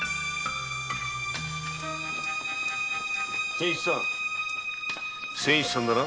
仙七さん仙七さんだな。